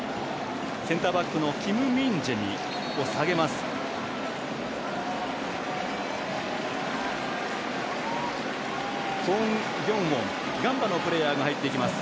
センターバックのキム・ミンジェを下げます。